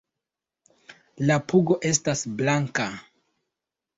La pugo estas blanka.